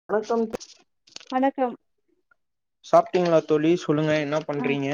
[unintelligible] வணக்கம் சாப்ட்டீங்ளா தோழி சொல்லுங்க என்ன ஆ பண்றீங்க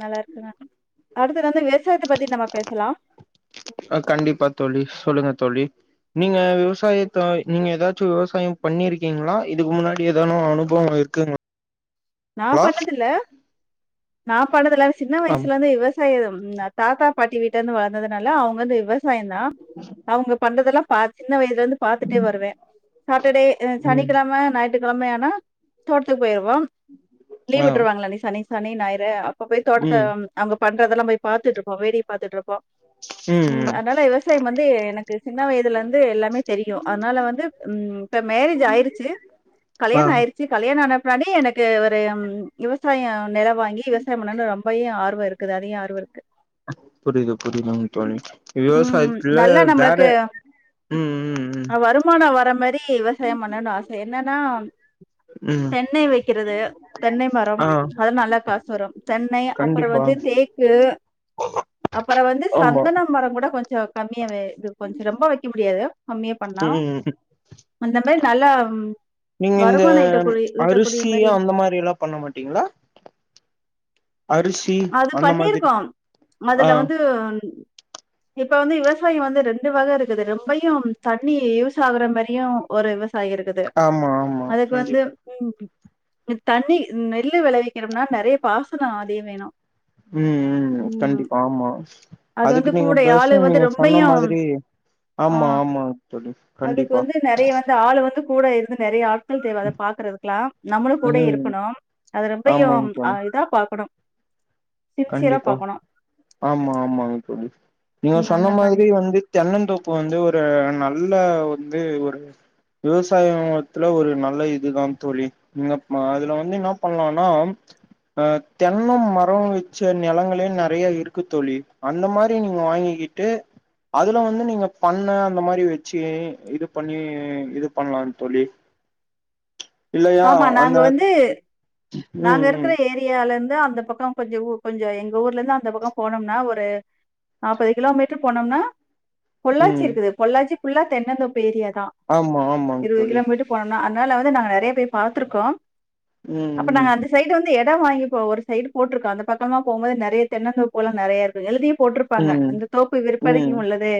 நல்லா இருக்கங்க அடுத்தது வந்து விவசாயத்த பத்தி நம்ம பேசலா ஆ கண்டிப்பா தோழி சொல்லுங்க தோழி நீங்க விவசாயத்த நீங்க ஏதாச்சு விவசாயம் பண்ணிருக்கீங்களா இதுக்கு முன்னாடி ஏதானா அனுபவம் இருக்குங்க நா பண்ணது இல்ல நா பண்ணது இல்ல இவ சின்ன ஆ வயசுல இருந்து இவ ஸ் சயதோம் அ தாத்தா பாட்டி வீட்ல இருந்து வளந்ததுனால அவுங்க வந்து விவசாய தா அவுங்க பண்றதெல்லா பா சின்ன வயசுல இருந்து பாத்துட்டே வருவே சாட்டர்டே அ ம் சனிக்கெழம ஞாயிற் கெழமயான தோட்டத்துக்கு போயிருவோ லீவ் ஆ விட்டுருவாங்கள அன்னிக் சனி சனி ஞாயிறு அப்ப போய் தோட்டத்த ம் அங்க பண்றதெல்லா போய் பாத்துட்டு இருப்போ வேடிக்க பாத்துட்டு இருப்போ ம் ம் அதனால விவசாயம் வந்து எனக்கு சின்ன வயதுல இருந்து எல்லாமே தெரியு அதனால வந்து ம் இப்ப மேரேஜ் ஆயிருச்சு ஆ கல்யாண ஆயிரு ச்சி கல்யாணம் ஆன பின்னாடி எனக்கு ஒரு ம் விவசாய நில வாங் அங்கே விவசாயம் பண்ணும்னு ரொம்பயு ஆர்வ இருக்குது அதே ஆர்வ இருக்கு புரியுது புரியுதுங்க தோழி விவசாயத்துல வேற ம் ம் ம் அ வரும் ருமானம் வர மாரி விவசாயம் பண்ணணு ஆசை என்னன்னா ம் தென்னை வைக் ந்துது தென்னை மரம் ஆ அது நல்லா காசு வரு தென்னை அப்பற கண்டிப்பா வந்து தேக்கு அப்பற வந்து ஆமா சந்தன மரம் கூட கொஞ்ச கம்மியாவே இது கொஞ்ச ரொம்ப வக்க முடியாது கம்மியா பண்லா ம் அந்த மாரி நல்லா நீங்க இந்த வருமான ஈட்டக்கூடி ஈட்டக்கூடிய அரிசி மாரி அந்த மாரி எல்லா பண்ண மாட்டீங்களா அரிஷ் அது பண்ணிருக்கோ அதுல ஆ வந்து இப்ப வந்து விவசாய வந்து ரெண்டு வக இருக்குது ரொம்பையும் தண்ணி யூஸ் ஆகுற மாரியு ஒரு விவசா ஆ இருக்குது ஆமா ஆமா அதுக்கு வந்து கண்டிப்பா. ம் தண்ணி நெல்லு வெளைவிக்கனும்னா நெறைய பாசனோ அதிக வேணு ம் ம் கண்டிப்பா ஆமா அது அதுக்கு வந்து நீங்க கூட ஆளு பேச வந்து நீங்க சொன்ன ரொம்பயும் மாதிரி ஆ ஆமா ஆமாங்க தோழி அதுக்கு கண்டிப்பா வந்து நெறைய வந்து ஆளு வந்து கூட இருந்து நெறைய ஆட் கள் தேவை அத பாக்குறதுக்கெல்லா நம்மளு கூட ம். இருக்கணும் அது ரொம்பையு ஆமாங்க அ தோழி. இதா பாக்கணு கண்டிப்பா ஆமா ஆமாங்க தோழி நீங்க ம் அந்த சொன்ன மாரி. மாதிரி வந்து தென்னந்தோப்பு வந்து ஒரு நல்ல வந்து ஒரு விவசாயத்துல ஒரு நல்ல இதுதான் தோழி இந்தப் மா அதுல வந்து என்ன பண்ணலானா அ தென்ன மர வ ச்ச நிலங்களே நெறைய இருக்கு தோழி அந்த மாரி நீங்க வாங்கிக்கிட்டு அதுல வந்து நீங்க பண்ண அந்த மாரி வச்சு இது பண்ணி இது பண்ணலா தோழி [inaudible] இல்லையா ஆமா நாங்க அந்த வந்து நாங்க ம் ம் இருக்கிற ஏரி தியால இருந்து அந்த பக்க கொஞ்சம்ஊ கொஞ்ச எங்க ஊர்ல இருந்து அந்த பக்கம் போனோம்ன ஒரு நாப்பது கிலோ மீட்டர் போனோம்னா பொள்ளாச்சி ம் இருக்குது பொள்ளாச்சி புல்லா தென்னந்தோப்பு ஏரியா தா ஆமா ஆமாங் இருவது தோழி கிலோமீட்டு போனுனா அதனால வந்து நாங்க நெறைய போய் பாத்திருக்கோ ம் அப்ப நாங்க ம் அந்த சைடு வந் இந்த எட வாங்கி இப்ப ஒரு சைடு போட்டிருக்கா அந்த பக்கமா போம்போது நெறைய தென்னந்தோப்புகலா நெறைய இருக்கு எழுதியே போட்ருப்பாங்க ம் இந்த தோப்பு விற்பனைக்கு ம் உள்ளது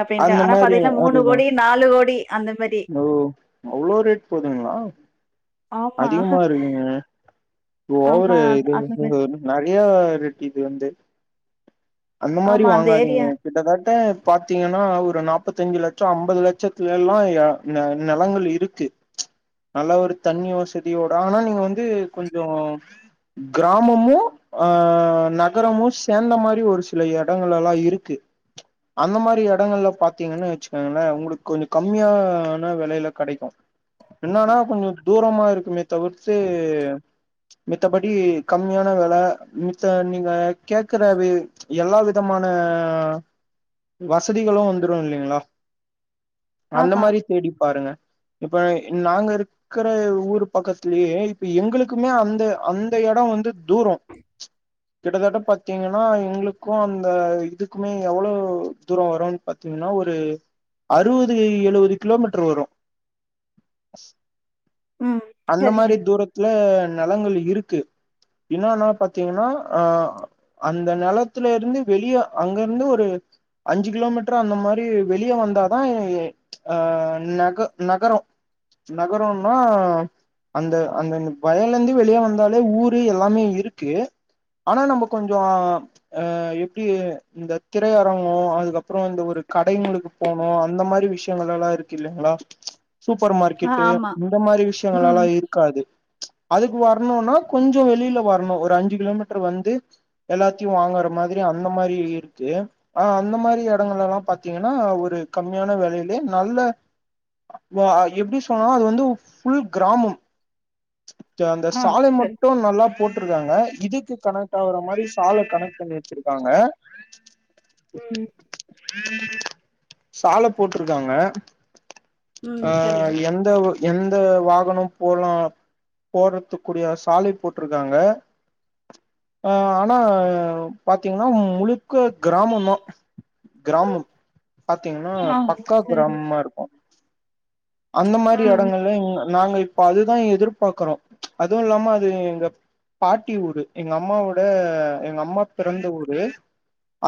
அப்டின்ட்டு அந்த ஆனா மாரி பாத்தீங்கனா மூணு அதுதா கோடி நாலு கோடி அந்த மாரி ஓ அவ்ளோ ரேட் போதுங்ளா ஆமா அதிகமா இருக்குதுங்க ஓவரு ஆமா அந்த- இது அந்த மாதிரி ‌இருக்குனு நெறைய ரேட்டு இது வந்து அந்த மாரி ஆமா அந்த வாங்காதீங்க ஏரியா கிட்டத்தட்ட பாத்தீங்கன்னா ஒரு நாப்பத்தஞ்சு லட்ச ஐம்பது லட்சத்துல வேல எல்லா ந நெலங்கள் இருக்கு நல்லா ஒரு தண்ணி வசதியோட ஆனா நீங்க வந்து கொஞ்ச கிராமமு ஆ நகரமு சேந்த மாரி ஒரு சில எடங்களெல்லா இருக்கு அந்த மாரி எடங்கள்ல பாத்தீங்கன்னு வெச்சுக்கங்களே உங்களுக்கு கொஞ்ச கம்மியா ன வெலைல கெடைக்கு என்னன்னா கொஞ்ச தூரமா இருக்குமே தவிர்த்து மித்தபடி கம்மியான வெல மித்த நீங்க கேக்குறவே எல்லா விதமான வசதிகளு வந்துரு இல்லைங்களா அந்த ஆமா மாரி தேடிப் பாருங்க இப்ப நாங்க இருக் க்கிற ஊரு பக்கத்துலயே இப்ப எங்களுக்குமே அந்த அந்த எட வந்து தூரோ கிட்டத்தட்ட பாத்தீங்கனா எங்களுக்கு அந்த இதுக்குமே எவ்வளோ தூர வரும் பாத்தீங்கனா ஒரு அறுவது கை எழுவது கிலோமீட்ரு வரு ம் அந்த சரிங்க மாரி தூரத் துல நெலங்கள் இருக்கு இன்னானா பாத்தீங்கனா ஆ அந்த நெலத்துலருந்து வெளிய அங்கருந்து ஒரு அஞ்சு கிலோமீட்ரு அந்த மாரி வெளிய வந்தாதா எ அ நக நகரோ நகரோம்னா அந்த அந்தந்த வயலருந்து வெளிய வந்தாலே ஊரு எல்லாமே இருக்கு ஆனா நம்ப கொஞ்ச அ எப்டிய இந்த திரையரங்கோ அதுக்கப்றோ இந்த ஒரு கடைங்களுக்கு போனு அந்த மாரி விஷ் யங்களெல்லா இருக்கு இல்லைங்களா சூப்பர் ஆ மார்க்கெட்டு ஆமா இந்த மாரி ம் விஷ்யங்களெல்லா இருக் க்காது அதுக்கு வர்ணுனா கொஞ்ச வெளில வர்ணு ஒரு அஞ்சு கிலோமீட்ரு வந்து எல்லாத்தையு வாங்குற மாதிரி அந்த மாரி இருக்கு ஆ அந்த மாரி எடங்களெல்லா பாத்தீங்கனா ஒரு கம்மியான வெலைல ஏ நல்ல வா எப்டி சொன்னாலு அது வந்து ஃபுல் கிராமம் சோ அந்த ஆ சாலை சரி மட்டு நல்லா போட்ருக்காங்க இதுக்கு கனெக்ட் ஆகுற மாரி சாலை கனெக்ட் பண்ணி வெச்சிருக்காங்க ம் சாலை போட்ருக்காங்க ம் ஆ சரி எந்த ஒ எந்த வாகன போலா போறத்துக்குடிய சாலை போட்ருக்காங்க ஆ ஆனா பாத்தீங்னா முழுப் கோ கிராமந்தா கிராமம் பாத்தீங்கனா ஆ பக்கா சரி கிராமமா இருக்கு அந்த மாரி ம் எடங்கள்ல இங்க நாங்க இப்ப அதுதா எதிர்பாக்குறோ அதுவு இல்லாம அது எங்க பாட்டி ஊரு எங்க அம்மாவோட எங்க அம்மா பிறந்த ஊரு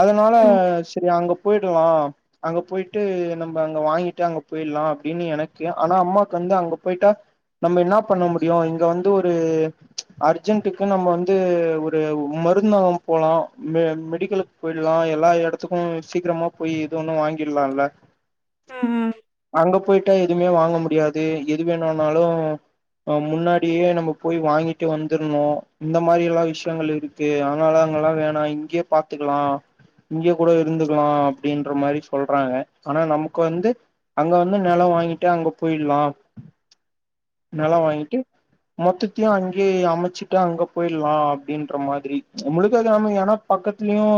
அதனால ம் சேரி அங்கப் போய்ட்டுவாம் அங்க போய்ட்டு நம்ம அங்க வாங்கிட்டு அங்க போயிட்லா அப்டின்னு எனக் க்யே ஆனா அம்மாக்கந்து அங்க போய்ட்டா நம்ம இன்னா பண்ண முடியு இங்க வந்து ஒரு அர்ஜென்ட்டுக்குன் நம்ம வந்து ஒருவ் மருந்தவம் போலு மெ மெடிக்கலு போயிட்லா எல்லா எடத்துக்கு சீக்ரமா போய் இது ஒண்ணு வாங்கிர்லால்ல ம் ம் அங்க போய்ட்டா எதுமே வாங்க முடியாது எது வேணுனாலு ஆ முன்னாடியே நம்ம போய் வாங்கிட்டு வந்துர்ணு இந்த மாரி எல்லாம் விஷ்யங்கள் இரு த்து அத்னால அங்கல்லா வேணா இங்யே பாத்துக்கலா இங்க கூட இருந்துக்கலா அப்படின்ற மாரி சொல்றாங்க ஆனா நமக் வந்து அங்க வந்து நெலொ வாங்கிட்டு அங்க போயிட்லா ம் நெலொ வாங்கிட்டு மொத்தத்யு அங்யே அமச்சுட்டு அங்க போய்ட்லா அப்படின்ற மாதிரி முழுக்கது நாம எனாப் பக்கத்லியு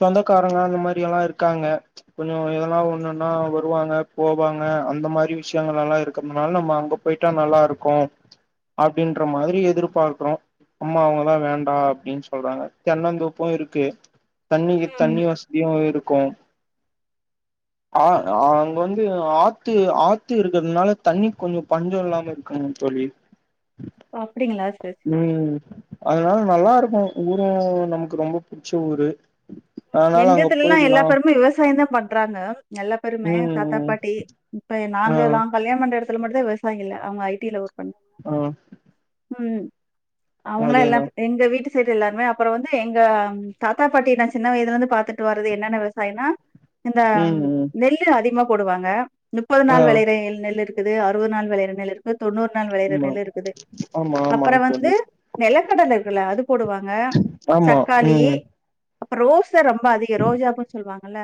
சொந்தக்காரங்க அந்த மாரி எல்லா இருக்காங்க கொஞ்சு இதெல்லா ஒண்ணொன்னா வருவாங்க போவாங்க அந்த மார் கி விஷ்யங்கள் எல்லா இருக்கம்னால நம்ம அங்க போய்ட்டா நல்லாருக்கு அப்டின்ற மாதிரி எதிர்பார்க்றோ அம்மா அவங்கலா வேண்டா அப்டின் சொல்றாங்க தென்னந்தோப்பு இருக்கு தண்ணிக்கு ம் தண்ணி வஸ் த்யு இருக்கு ஆ ஆங்க வந்து ஆத்து ஆத் த்து இருக்கற்னால தண்ணிக் கொஞ்சு பஞ்சோ இல்லாம இருக்கே சொல்லி அப்டிங்களா சர் உம் அதனால் நல்லார்க்கு ஊரு நமக்கு ரொம்ப பிடிச்ச ஊரு அதனால அங்க எங்கதுலல்லா போயிடலா எல்லா பெருமே விவசாயன்தா பண்றாங்க எல்லா பெருமே ம் தாத்தா ம் பாட்டி இப்பய் ஆ நாங்கல்லா கல்யண் மண்டடுத்துல மட்டு்தா விவசாயி இல்ல அவங்க ஐடில ஒர் ஆ உம் அவங்களா அதேதா எல்லாத்து எங்க வீட்டு சேட் எல்லாமே அப்பறோ வந்து எங்கம் தாத்தா பாட்டி நா சின்ன வயதுல இந்து பாத்துட்டு வர்றது என்னான்னா விவசாயனா இந்தம் ம் ம் நெல்லு அதிக்மா போடுவாங்க முப்பது ஆ நாள் வெலைய்ற எல் நெல் இருக் கிது அறுவது நாள் விளையற நெல் இருக்கு தொண்ணூறு நாள் விளையற ஆமா நெல் இருக்குது ஆமா அப்பற ஆமாங்க வந்து தோழி நிலக்கடல இருக்குல்ல அது போடுவாங்க ஆமா தக்காளி ம் ரோச ரொம்ப அதிகு ரோஜாப்புன் சொல்வாங்கல்ல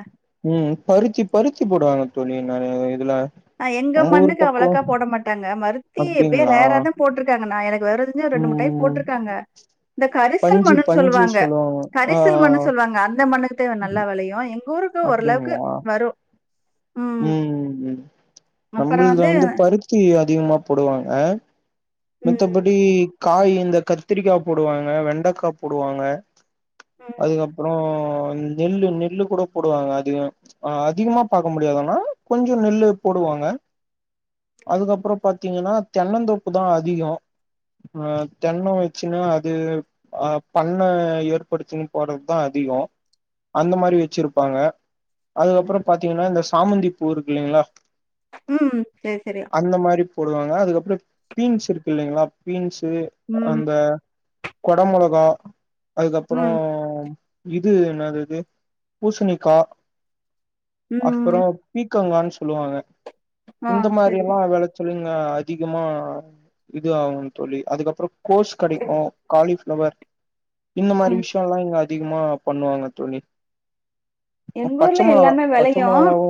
உம் பறிச்சு பருச்சு போடுவாங்க தோழி நெறைய இதுல அ எங்க உங்க ஊர் மண்ணுக்கு பக்கோ அவ்வளக்கா போட மாட்டாங்க மருத்தி எப்பயே அப்டிங்களா ரேராதா போட்ருக்காங்க நா எனக்கு வெவ்றது இல்ல ரெண்டு மூ டைம் ம் போட்ருக்காங்க இந்த கரிசல் பஞ்சு மண்ணுன் பஞ்சு சொல்லுவாங்க ஆ கரிசல் மண்ணு ஆ சொல்லுவாங்க அந்த மண்ணுக் து நல்லா விளையு எங்க ஊருட்டூ ஓரளவுக்கு வரு உம் உம் நம்பள்து வந்து பருத்தி அதிகமா போடுவாங்க ம், மித்தபடி காய் இந்த கத்திரிக்கா போடுவாங்க வெண்டக்கா போடுவாங்க ம், அதுக்கப்றோ நெல்லு நெல்லு கூட போடுவாங்க அதுங் அ அதிகமா பாக் அ முடியாதன்னா கொஞ்சு நெல்லு போடுவாங்க அதுக்கப்றோ பாத்தீங்கன்னா தென்னந்தொப்பு தா அதிகோ ஆ தென்னம் வச்சுன்னா அது ஆ பண்ண ஏற்படுச்சுன்னு போறத்தா அதிகோ அந்த மாரி வச்சிருப்பாங்க அதுக்கப்றோ பத் தீங்கன்னா இந்த சாமந்தி பூ இருக் இல்லைங்களா உம் செர் செரியா அந்த மாரி போடுவாங்க அதுக்கப்ற பீன்ஸ் இருக்கு இல்லைங்களா பீன்ஸு ம், அந்த கொட மொளகா ம், அதுக்கப்புறோம் இது என்னது அது பூசணிக்கா அப்புற ம். பீக்கங்கான்னு சொல்லுவாங்க ஆ இந்த மாரி சரி. எல்லா வெள ச்சலு இங்க அதிகமா இது ஆகும்ன்னு தோழி அதுக்கப்புற கோஸ் கெடைக்கு காலிஃப்ளவர் இந்த மாரி ம். விஷயல்லா இங்க அதிகமா பண்ணுவாங்க தோழி எங்க பச்ச ஊர்ல மொளகா எல்லாமே பச்ச வெளையு மொளகாவு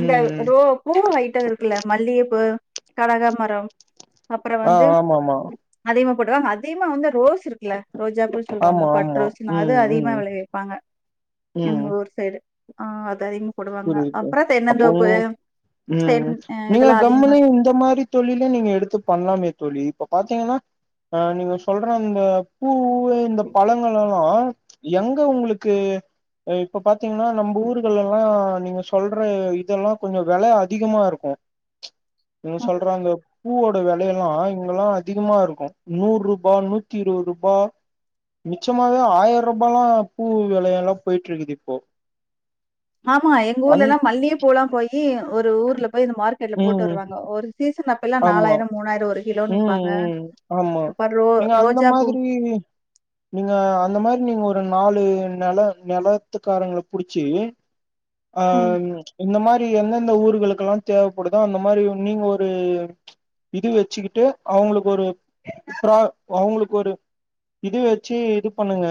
இந்த ம் ம் ரோபோ பூ வையிட்ட இருக்குல்ல மல்லியப்பூ கடகா மரம் அப்புற ஆ வந்து ஆமா ஆமா அதிகமா போடுவாங்க அதிகமா வந்து ரோஸ் இருக்குல ரோஜா பு சொல்லுவாங்க ஆமா பட் ஆமா ரோஸ்னா அது ம் அதிகமா ம் வெளைவிப்பாங்க ம் எங்க ஊர் சைடு ஆ அது அதிக போடுவாங்க புரியுது அப்ற தென்னந்தோப்பு பொங்கு ம் தென் அ நீங்க இதெல்லா அதிகமா கம்முனு இந்த மாரி தொழில நீங்க எடுத்து பண்லாமே தோழி இப்ப பாத்தீங்கன்னா அ நீங்க சொல்ற இந்த பூ இந்த பழங்கள் எல்லா எங் க உங்களுக்கு இப்ப பாத்தீங்கன்னா நம்ப ஊர்கள் எல்லா நீங்க சொல்ற இதெல்லா கொஞ்ச வெல அதிகமா இருக்கு இவங் சொல்ற அந்த பூவோட வெலைய எல்லா இங்கெல்லா அதிகமா இருக்கு நூருபா நூத்தி இருபது ருபா நிச்சமாவே ஆயிரம் ரூபாயாலாம் பூ வெலை எல்லா போயிட்டு இருக்குது இப்போ ஆமா எங்க ஊர்ல அந் எல்லா மல்லிய பூலாம் போயி ஒரு ஊர்ல போய் இந்த மார்க்கெட்ல போட்டு ம் வருவாங்க ஒரு சீசன் அப்பைல்லா ஆமா நாலயிர மூணாயிர ஒரு கிலோ ம் ம் ஆமா நீங்க அந்த ரோஜா பூ மாதிரி நீங்க அந்த மாரி நீங்க ஒரு நாலு நெல நெலத்துக்காரங்கள புடிச்சி அ ம் இந்த மாதிரி எந்தெந்த ஊர்களுக்கெல்லா தேவைப்படுதோ அந்த மாரி நீங்க ஒரு இது வச்சுக்கிட் டு அவங்களுக்கு ஒரு ப்ரா அவங்களுக்கு ஒரு இது வச்சு இது பண்ணுங்க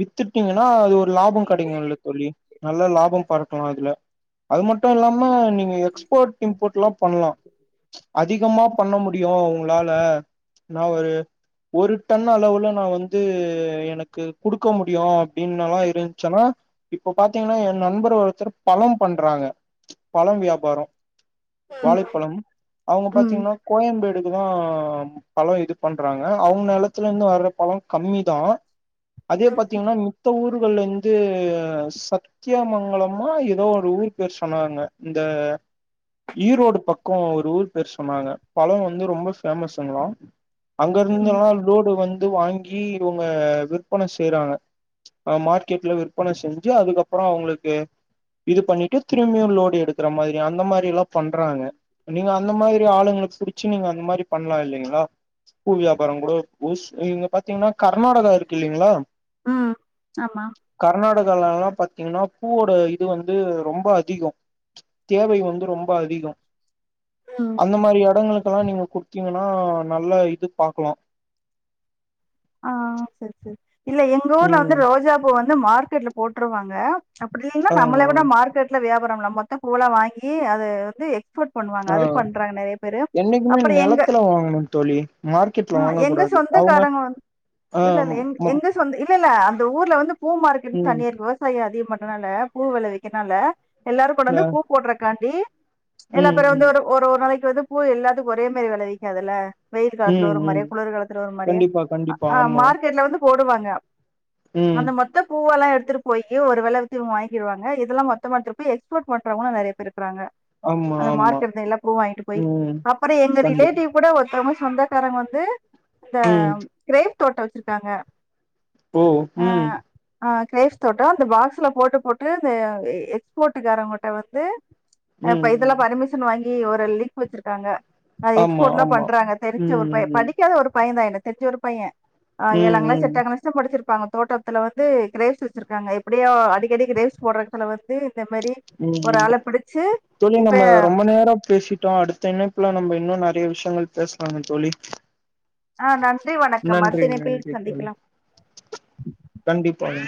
வித்துட்டீங்கன்னா அது ஒரு லாப கெடைக்கு இல்ல தோழி நல்ல லாபம் பார்க்கலா இதுல அது மட்டு இல்லாம நீ நீ எக்ஸ்போர்ட் இம்போர்ட்லா பண்லா அதிகமா பண்ண முடியு உங்ளால நா ஒரு ஒரு டன் அளவுல நா வந்து எனக்கு குடுக்க முடியு அப்டின்னுல்லா இருந்ச்சுன்னா இப்ப பாத்தீங்கன்னா என் நண்பர் ஒருத்தர் பழம் பண்றாங்க பழம் வியாபார ம் வாழைப்பழம் அவங்க ம் பாத்தீங்கன்னா கோயம்பேடுக்குதா பழம் இது பண்றாங்க அவங்க நெலத்துல இருந்து வர்ற பழம் கம்மிதா அதே பாத்தீங்கன்னா மித்த ஊர்கள்ல இருந்து ச த்தியமங்கலமா ஏதோ ஒரு ஊர் பேர் சொன்னாங்க இந்த ஈரோடு பக்க ஒரு ஊர் பேர் சொன்னாங்க பழ வந்து ரொம்ப ஃபேமஸ்ங்களா அங்க இருந்துல்லா லோடு வந்து வாங்கி இவங்க விற்பனை செய்றாங்க அ மார்க்கெட்ல விற்பன செஞ்சு அதுக்கப்புற அவங்களுக்கு இது பண்ணிட்டு திரும்பியு லோடு எடுக்கற மாதிரி அந்த மாதிரி எல்லா பண்றாங்க நீங்க அந்த மாதிரி ஆளுங்கள புடிச்சு நீங்க அந்த மாரி பண்லா இல்லைங்ளா பூ வியாபார கூட சப்போஸ் இங்க பாத்தீங்கன்னா கர்நாடகா இருக்கு இல்லலைங்களா ம் ஆமா கர்நாடகாலல்லா பாத்தீங்கன்னா பூவோட இது வந்து ரொம்ப அதிக தேவை வந்து ரொம்ப அதிக அ அந்த மாரி எடங்களுக்கெல்லா நீங்க குட்த்தீங்கனா நல்ல இது பாக்கலா ஆ சேரி சேரி இல்ல எங்க ஊர்ல வந்து ம் ரோஜா பூ வந்து மார்க்கெட்ல போட்ருவாங்க அப்டிங்னா ஆ நம்மள ஆ விட மார்க்கெட்ல வியாபாரம் நம்ம மொத்த பூவெல்லா வாங்கி அது வந்து எக்ஸ்போர்ட் பண்ணுவாங்க ஆ அது பண்றாங்க நெறைய பேரு என்னைக்குமே அப்பற எங்க நெலத்துல வாங்கணு தோழி மார்க்கெட்ல ஆ வாங்கக் எங்க கூடாது அவுங்க சொந்தக்காரங்க வந் ஆ இல்ல இல்ல எங் ம் எங்க சொந்த இல்ல இல்ல அந்த ஊர்ல வந்து பூ மார்க்கெட்டுன் ம் தனியா இருக்கு விவசா சாய அதிக பண்றனால பூ வெளவிக்கற்னால எல்லாரு ஆ கொண்டாந்து பூ போட்றக்காண்டி எல்லா ம் பேரு வந்து ம் ஒரு ஒரு நாளைக்கு வந்து பூ எல்லாத்துக்கு ஒரே மாரி வெளைவிக்காதுல்ல வெயில் காலத்துல ம் ஒரு ம் மாரியு குளிர் காலத்துல ஒரு மாரியு கண்டிப்பா கண்டிப்பா ஆ ஆமா மார்க்கெட்ல வந்து போடுவாங்க ம் அந்த மார் தா பூவெல்லா எடுத்துட்டு போயி ஒரு வெல வித்து இவ்ங்க வாங்கிருவாங்க இதெல்லா மொத்தமா எத்துட்டு போய் எக்ஸ்போர்ட் பண்றவங்களு நெறைய பேரு இருக்குறாங்க ஆமா அந்த ஆமா மார்க்கெட்ல எல்லா பூவு வாங்கிட்டு போயி ம் அப்பற எங்க கண்டிப்பா ரிலேட்டிவ் கூட ஒருத்தவ்ங்க சொந்தக்காரங்க வந்து இந்த ம் கிரேப் தோட்ட வெச்சிருக்காங்க ஓ ம் ஆ க்ரேப்ஸ் தோட்ட அந்த பாக்ஸுல போட்டு போட்டு இந்த வே எக்ஸ்போர்ட்டு காரவ்ங்கட்ட வந்து ஆ இப்ப ம் இதெல்லா ம் பருமிஷன் வாங்கி ஒரு லி்ங்க் வெச்சிருக்காங்க அத ஆமா எக்ஸ்போர்ட்லா ஆமா பண்றாங்க தெரிஞச்ச ஒரு ம் பைய ம் படிக்காத ஒரு பையந்தா எனக்கு தெரிஞ்சு ஒரு பைய ஆ ம் எல்லாங்ளா ம் செட்ட ஆகணு செம் படிச்சிருப்பாங்க தோட்டத்துல வந்து க்ரேப்ஸ் வெச்சிருக்காங்க எப்டியோ அடிக்கடி க்ரேப்ஸ் போட்ற எட்த்துல வந்து இந்த மாரி ஒரு ம் ஆள பிடிச்சு தோழி இப்ப நம்ம ரொம்ப நேர பேசிட்டோ அடுத் த்த இணைப்புல நம்ப இன்னு நெறைய விஷ்யங்கள் பேசலாமே தோழி ஆ நன்றி வணக்கம் நன்றி அடுத்த இணைப்பில் நன்றி தோழி சந்திக்கலாம் கண்டிப்பாங்க